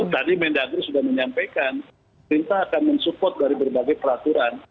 tadi mendagri sudah menyampaikan perintah akan mensupport dari berbagai peraturan